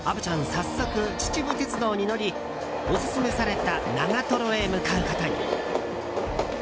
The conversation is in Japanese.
早速、秩父鉄道に乗りオススメされた長瀞へ向かうことに。